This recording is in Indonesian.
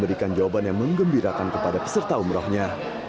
memberikan jawaban yang menggembirakan kepada peserta umrohnya